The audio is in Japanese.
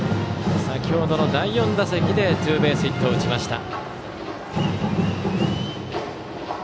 先程の第４打席でツーベースヒットを打ちました。